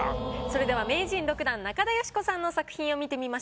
それでは名人６段中田喜子さんの作品を見てみましょう。